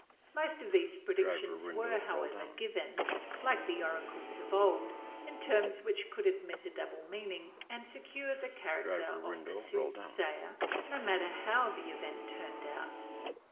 Most of these predictions were, however, given like the oracles of old in terms which would admit a double meaning and secure the character of the soothsayer, no matter how the event turned out.